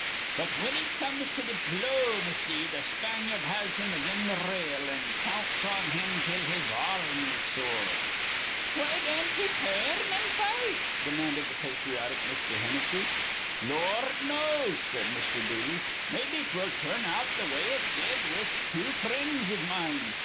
But, whin it comes to di plo macy, th' Spanyard has him again th' rail, an' counts on him till his ar rm is sore." "Why don't he tur rn in an' fight?" demanded the patriotic Mr. Hennessy. "Lord knows," said Mr. Dooley. "Mebbe 'twill tur rn out th' way it did with two frinds iv mine.